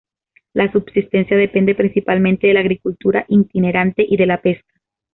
La subsistencia depende principalmente de la agricultura itinerante y de la pesca.